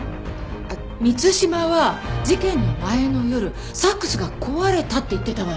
満島は事件の前の夜サックスが壊れたって言ってたわよね？